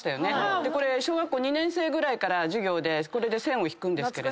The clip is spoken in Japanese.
でこれ小学校２年生ぐらいから授業で線を引くんですけれども。